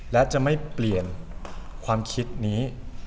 และจะไม่เปลี่ยนความคิดนี้